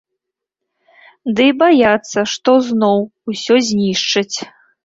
Ды і баяцца, што зноў усё знішчаць.